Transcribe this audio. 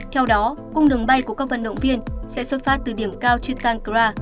theo đó cung đường bay của các vận động viên sẽ xuất phát từ điểm cao chitankara